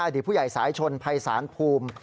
ผู้ใหญ่สายชนภัยศาลภูมิ